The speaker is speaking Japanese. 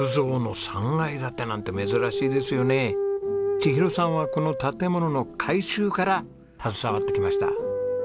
千尋さんはこの建物の改修から携わってきました。